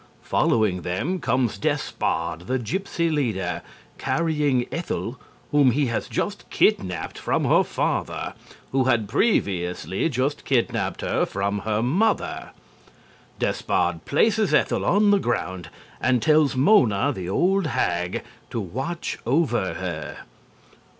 Following them comes Despard, the gypsy leader, carrying Ethel, whom he has just kidnapped from her father, who had previously just kidnapped her from her mother. Despard places Ethel on the ground and tells Mona, the old hag, to watch over her.